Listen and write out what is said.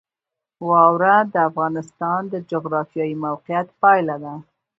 واوره د افغانستان د جغرافیایي موقیعت پایله ده.